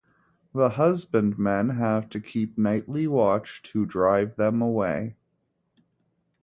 The husbandmen have to keep nightly watch to drive them away.